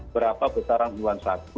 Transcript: berapa besaran uang saku